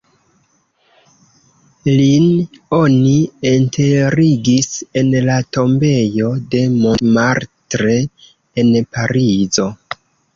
Lin oni enterigis en la tombejo de Montmartre en Parizo.